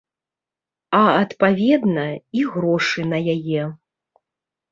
А адпаведна, і грошы на яе.